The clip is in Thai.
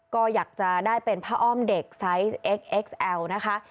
ก็อยากจะได้เป็นผ้าอ้อมเด็กไซส์เอ็กเอ็กซ์แอลนะคะ